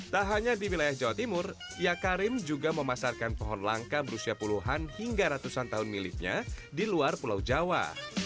tak hanya di wilayah jawa timur ya karim juga memasarkan pohon langka berusia puluhan hingga ratusan tahun miliknya di luar pulau jawa